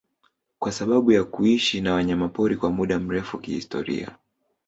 kwa sababu ya kuishi na wanyamapori kwa muda mrefu kihistoria